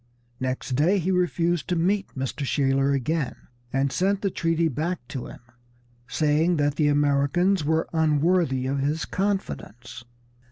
Next day he refused to meet Mr. Shaler again, and sent the treaty back to him, saying that the Americans were unworthy of his confidence.